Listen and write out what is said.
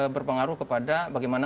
berpengaruh kepada bagaimana